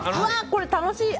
これ楽しい！